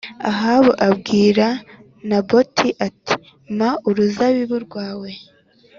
Ahabu abwira Naboti ati “Mpa uruzabibu rwawe